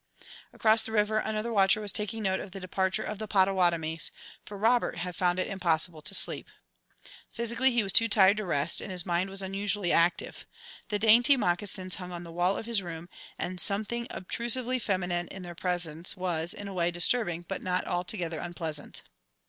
Across the river another watcher was taking note of the departure of the Pottawattomies, for Robert had found it impossible to sleep. Physically, he was too tired to rest, and his mind was unusually active. The dainty moccasins hung on the wall of his room and something obtrusively feminine in their presence was, in a way, disturbing, but not altogether unpleasant.